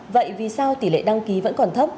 vậy vì sao tỷ lệ đăng ký vẫn còn thấp